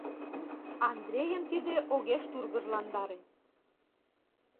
Андрейым тиде огеш тургыжландаре.